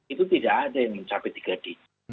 itu tidak ada yang mencapai tiga di